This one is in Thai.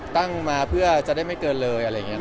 ตั้งมาเพื่อจะได้ไม่เกินเลยอะไรอย่างนี้